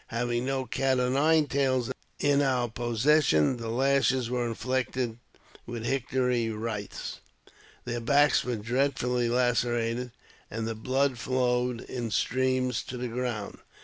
Having no cat o' nine tails in our possession, the lashes were inflicted with hickory withes. Their backs were dreadfully lacerated, and the blood flowed in streams to the ground.